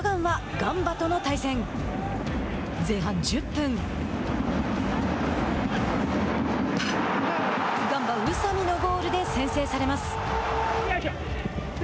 ガンバ、宇佐美のゴールで先制されます。